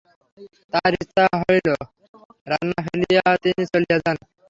তাঁহার ইচ্ছা হইল, রান্না ফেলিয়া তিনি চলিয়া যান।